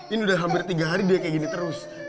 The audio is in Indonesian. ini udah hampir tiga hari dia kayak gini terus